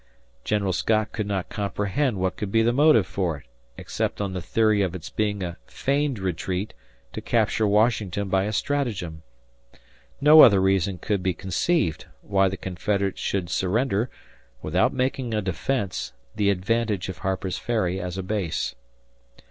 General Scott could not comprehend what could be the motive for it, except on the theory of its being a feigned retreat to capture Washington by a stratagem. No other reason could be conceived why the Confederates should surrender, without making a defense, the advantage of Harper's Ferry as a base.